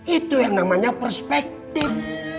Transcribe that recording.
itu yang namanya perspektif